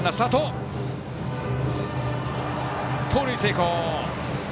盗塁成功。